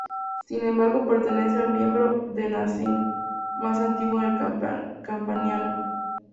Sin embargo pertenece al miembro De-na-zin, más antiguo en el Campaniano.